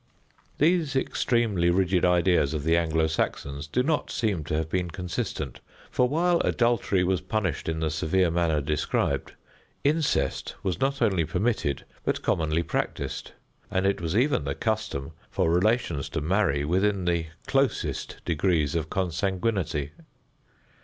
These extremely rigid ideas of the Anglo Saxons do not seem to have been consistent, for while adultery was punished in the severe manner described, incest was not only permitted, but commonly practiced; and it was even the custom for relations to marry within the closest degrees of consanguinity.